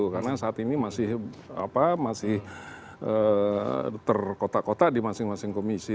karena saat ini masih terkotak kotak di masing masing komisi